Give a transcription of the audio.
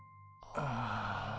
ああ。